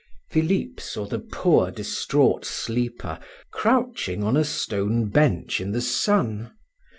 Philip saw the poor distraught sleeper crouching on a stone bench in the sun.